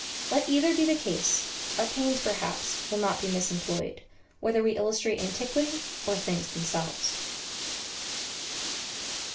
Let either be the case, our pains, perhaps, will not be misemployed, whether we illustrate antiquity or things themselves.